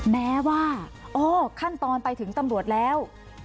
แม้ว่าอ๋อขั้นตอนไปถึงตำรวจแล้ว